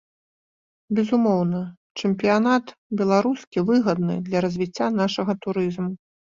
Безумоўна, чэмпіянат беларускі выгадны для развіцця нашага турызму.